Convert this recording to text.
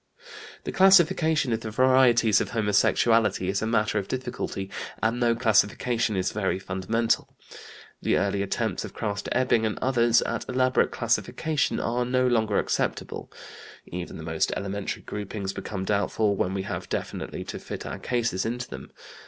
The classification of the varieties of homosexuality is a matter of difficulty, and no classification is very fundamental. The early attempts of Krafft Ebing and others at elaborate classification are no longer acceptable. Even the most elementary groupings become doubtful when we have definitely to fit our cases into them.